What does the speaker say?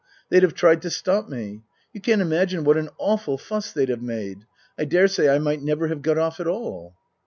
They'd have tried to stop me. You can't imagine what an awful fuss they'd have made. I daresay I might never have got off at all."